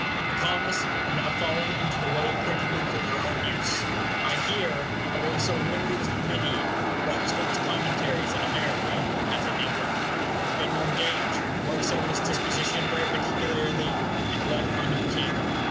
The Colonists have now fallen into the way of printing them for their own use. I hear that they have sold nearly as many of Blackstone's Commentaries in America as in England. General Gage marks out this disposition very particularly in a letter on your table.